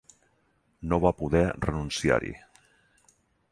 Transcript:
No va poder renunciar-hi.